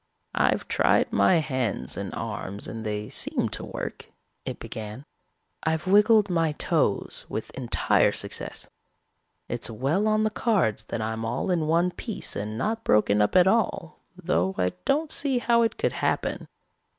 "I've tried my hands and arms and they seem to work," it began. "I've wiggled my toes with entire success. It's well on the cards that I'm all in one piece and not broken up at all, though I don't see how it could happen.